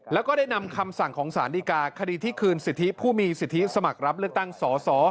แล้วก็ได้นำคำสั่งของสารดีกาคดีที่คืนสิทธิผู้มีสิทธิสมัครรับเลือกตั้งสส